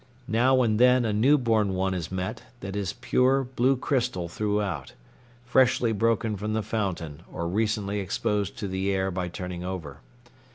Now and then a new born one is met that is pure blue crystal throughout, freshly broken from the fountain or recently exposed to the air by turning over.